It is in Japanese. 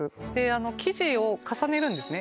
あの生地を重ねるんですね